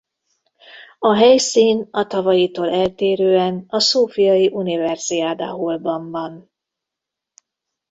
A helyszín a tavalyitól eltérően a Szófiai Universiada Hallban van.